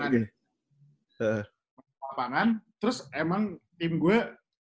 di lapangan terus emang tim gue